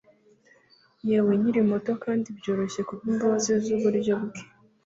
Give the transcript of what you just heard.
Yewe nkiri muto kandi byoroshye kubwimbabazi zuburyo bwe,